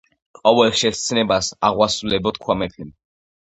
ყოველ შენს მცნებას აღვასრულებო თქვა მეფემ.